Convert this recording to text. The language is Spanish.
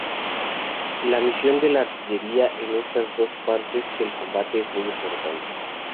La misión de la artillería en estas dos partes del combate es muy importante.